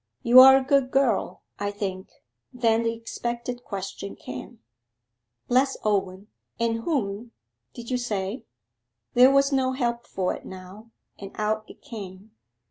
You are a good girl, I think.' Then the expected question came. '"Bless Owen," and whom, did you say?' There was no help for it now, and out it came.